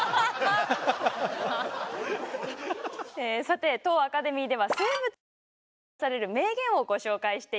さて当アカデミーでは生物から導き出される名言をご紹介しています。